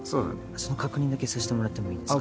その確認だけさしてもらってもいいですか？